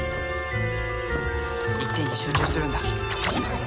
一点に集中するんだ・